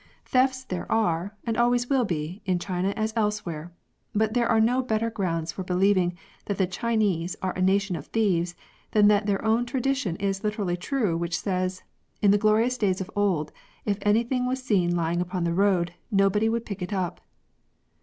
Thefts there are, and always will be, in China as elsewhere ; but there are no better grounds for believing that the Chinese are a nation of thieves than that their own tradition is liter ally true which says, ''In the glorious days of old, if anything was seen lying in the road, nobody would pick it up